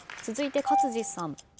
続いて勝地さん。